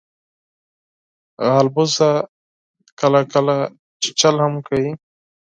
مچمچۍ کله کله چیچل هم کوي